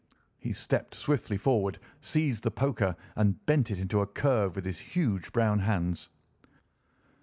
He stepped swiftly forward, seized the poker, and bent it into a curve with his huge brown hands.